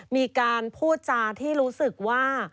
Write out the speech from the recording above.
มีการพูดจาที่รู้สึกว่า